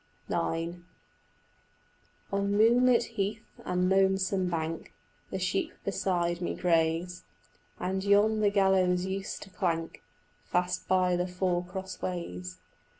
IX On moonlit heath and lonesome bank The sheep beside me graze; And yon the gallows used to clank Fast by the four cross ways.